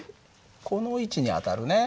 この位置に当たるね。